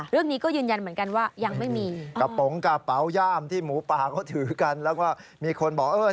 เรื่องนี้ก็ยืนยันเหมือนกันว่ายังไม่มีกระโปรงกระเป๋าย่ามที่หมูป่าเขาถือกันแล้วก็มีคนบอกเออ